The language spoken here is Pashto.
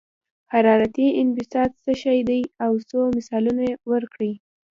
حرارتي انبساط څه شی دی او څو مثالونه ورکړئ.